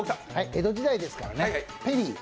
江戸時代ですからねぺりー。